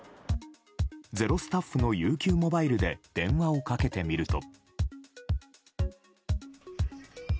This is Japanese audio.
スタッフのＵＱモバイルで電話をかけてみると。